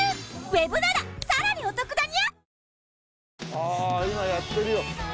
あ今やってるよ。